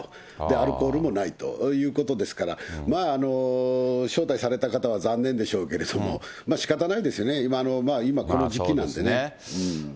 アルコールもないということですから、まあ、招待された方は残念でしょうけれども、しかたないですよね、今、この時期なんでね。